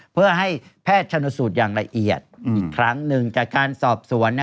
เพื่อให้แพทย์ชนสูตรอย่างละเอียดอีกครั้งหนึ่งจากการสอบสวน